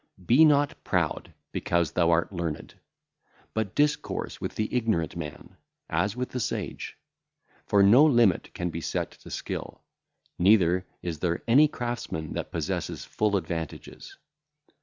Be not proud because thou art learned; but discourse with the ignorant man, as with the sage. For no limit can be set to skill, neither is there any craftsman that possesseth full advantages.